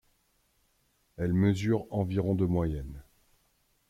Elles mesurent environ de moyenne.